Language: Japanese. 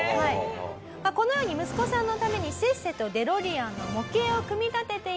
このように息子さんのためにせっせとデロリアンの模型を組み立てていたツワさん。